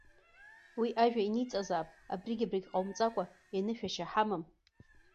Уи ажәа иниҵазаап, абригь-абригь ҟаумҵакәа еинышәашьа ҳамам.